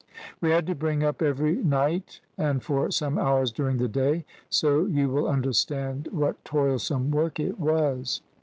"We had to bring up every night and for some hours during the day, so you will understand what toilsome work it was.